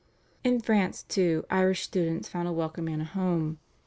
In France, too, Irish students found a welcome and a home.